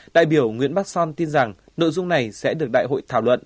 đại biểu nguyễn bắc son tin rằng nội dung này sẽ được đại hội thảo luận